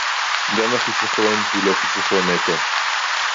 גם החיסכון הוא לא חיסכון נטו